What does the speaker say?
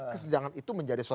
kesenjangan itu menjadi sosial